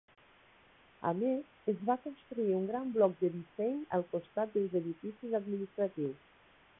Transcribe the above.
A més, es va construir un gran bloc de disseny al costat dels edificis administratius.